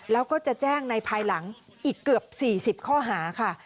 แล้วก็จะแจ้งในภายหลังอีกเกือบ๔๐ข้อหาค่ะ